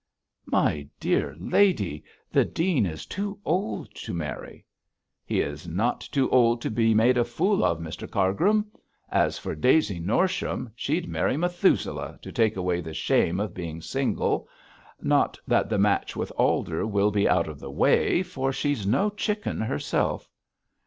'My dear lady, the dean is too old to marry!' 'He is not too old to be made a fool of, Mr Cargrim. As for Daisy Norsham, she'd marry Methuselah to take away the shame of being single. Not that the match with Alder will be out of the way, for she's no chicken herself.'